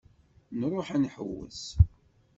Nruḥ ad nḥewwes.